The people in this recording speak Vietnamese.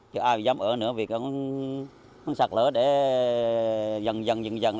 chứ ai dám ở nữa vì nó sạt lở để dần dần dần dần